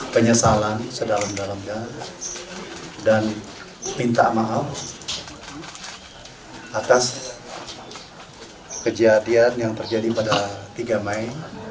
penyesalan sedalam dalamnya dan minta maaf atas kejadian yang terjadi pada tiga mei